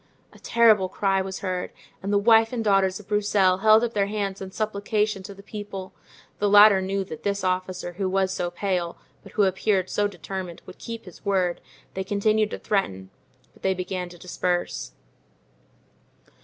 A terrible cry was heard, and the wife and daughters of Broussel held up their hands in supplication to the people; the latter knew that this officer, who was so pale, but who appeared so determined, would keep his word; they continued to threaten, but they began to disperse.